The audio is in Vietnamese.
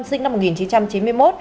sinh năm một nghìn chín trăm chín mươi một